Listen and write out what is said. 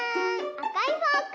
あかいフォーク！